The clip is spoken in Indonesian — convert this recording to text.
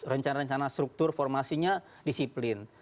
rencana rencana struktur formasinya disiplin